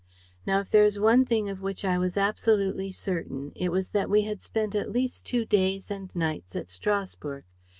Now, if there was one thing of which I was absolutely certain, it was that we had spent at least two days and nights at Strasburg.